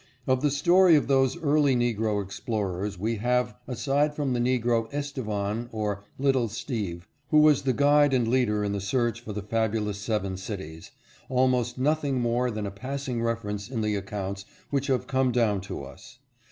Of the story of those earlier Negro explorers we have, aside from the Negro Estevan or "little Steve," who was the guide and leader in the search for the fabulous seven cities, almost nothing more than a passing reference in the accounts which have come down to us.